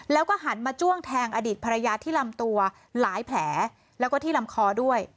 แล้วก็หันมาจ้วงแทงอดีตภรรยาที่ลำตัวหลายแผลแล้วก็ที่ลำคอด้วย